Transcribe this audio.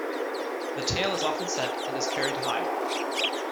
The tail is often set and is carried high.